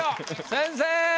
先生！